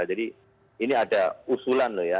ini ada usulan loh ya